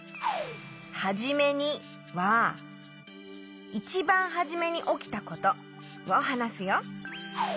「はじめに」はいちばんはじめにおきたことをはなすよ。